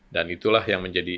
dan itulah yang menjadi